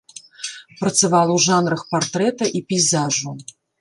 Працавала ў жанрах партрэта і пейзажу.